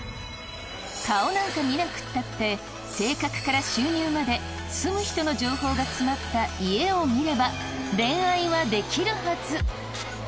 顔なんか見なくったって性格から収入まで住む人の情報が詰まった家を見れば恋愛はできるはず。